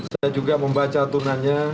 saya juga membaca tunanya